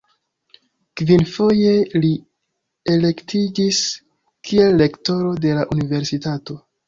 Kvinfoje li elektiĝis kiel rektoro de la universitato.